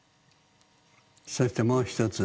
そしてもう一つ。